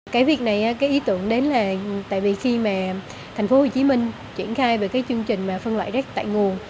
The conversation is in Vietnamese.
cái việc này cái ý tưởng đến là tại vì khi mà thành phố hồ chí minh triển khai về cái chương trình mà phân loại rác tại nguồn